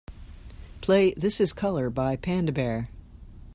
play This Is Colour by Panda Bear